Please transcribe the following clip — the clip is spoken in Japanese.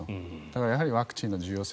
やはりワクチンの重要性。